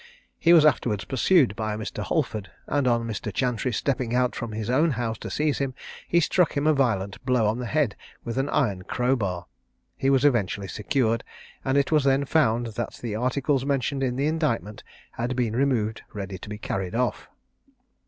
He was afterwards pursued by a Mr. Holford, and on Mr. Chantrey stepping out from his own house to seize him, he struck him a violent blow on the head with an iron crowbar. He was eventually secured, and it was then found, that the articles mentioned in the indictment had been removed ready to be carried off.